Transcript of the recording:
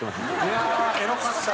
いやあエロかった。